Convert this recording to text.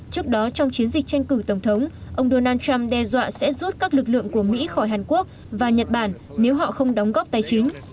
trước đó trong chiến dịch tranh cử tổng thống ông donald trump đe dọa sẽ rút các lực lượng của mỹ khỏi hàn quốc và nhật bản nếu họ không đóng góp tài chính